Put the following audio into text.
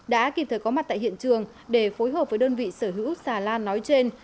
đã kịp thời có mặt tại hiện trường để phối hợp với đơn vị sở hữu xà lan nói trên